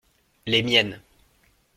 Les miennes.